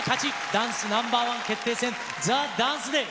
ダンスＮｏ．１決定戦、ＴＨＥＤＡＮＣＥＤＡＹ。